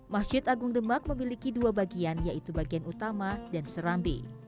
masjid agung demak memiliki dua bagian yaitu bagian utama dan serambi